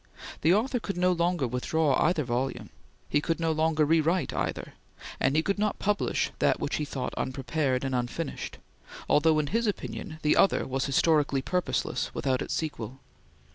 The author could no longer withdraw either volume; he could no longer rewrite either, and he could not publish that which he thought unprepared and unfinished, although in his opinion the other was historically purposeless without its sequel.